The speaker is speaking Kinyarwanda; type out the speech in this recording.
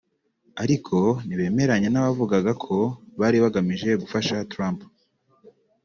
ariko ntibemeranya n’abavugaga ko bari bagamije gufasha Trump